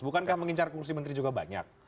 bukankah mengincar kursi menteri juga banyak